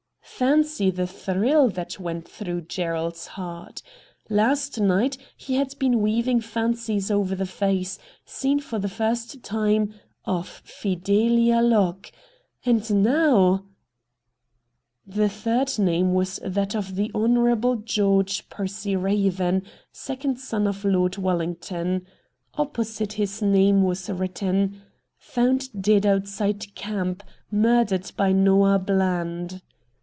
Fancy the thrill that went through Gerald's heart ! Last night he had been weav ing fancies over the face, seen for the first time, of Fidelia Locke — and now ! The third name was that of the Honour able George Percy Eaven, second son of Lord Wallington. Opposite his name was written : 'Found dead outside camp, murdered by Noah Bland.'